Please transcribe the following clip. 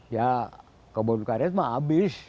ya kebun karet mah habis